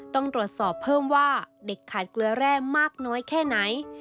ต้องตรวจสอบเพิ่มว่าเด็กขาดเกลือแร่มากน้อยแค่ไหน